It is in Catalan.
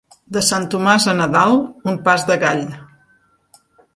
De Sant Tomàs a Nadal, un pas de gall.